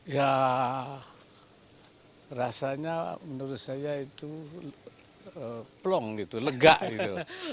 ya rasanya menurut saya itu plong gitu lega gitu